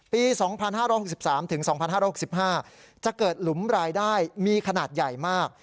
ปี๒๕๖๓๒๕๖๕จะเกิดหลุมรายได้มีขนาดใหญ่มาก